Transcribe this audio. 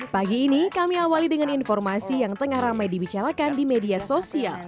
pagi ini kami awali dengan informasi yang tengah ramai dibicarakan di media sosial